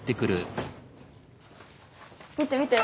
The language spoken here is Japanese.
見てみて。